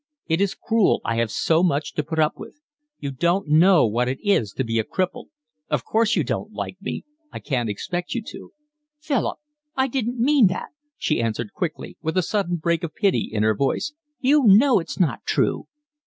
"It is cruel, I have so much to put up with. You don't know what it is to be a cripple. Of course you don't like me. I can't expect you to." "Philip, I didn't mean that," she answered quickly, with a sudden break of pity in her voice. "You know it's not true."